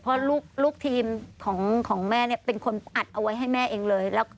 เพราะลูกทีมของแม่เนี่ยเป็นคนอัดเอาไว้ให้แม่เองเลย